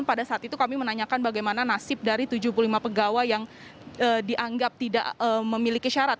pada saat itu kami menanyakan bagaimana nasib dari tujuh puluh lima pegawai yang dianggap tidak memiliki syarat